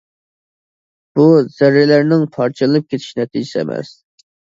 بۇ، زەررىلەرنىڭ پارچىلىنىپ كېتىش نەتىجىسى ئەمەس.